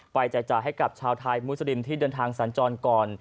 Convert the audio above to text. แจกจ่ายให้กับชาวไทยมุสลิมที่เดินทางสัญจรก่อน